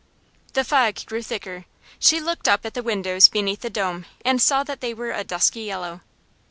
The fog grew thicker; she looked up at the windows beneath the dome and saw that they were a dusky yellow.